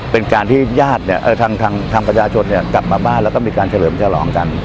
เป็นการที่ทางกระจาชดเนี่ยกลับมาบ้านแล้วก็มีการเฉลิมฉลองกัน